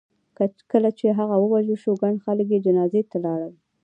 کله چې هغه ووژل شو ګڼ خلک یې جنازې ته لاړل.